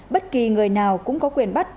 bất kỳ người nào cũng có quyền bắt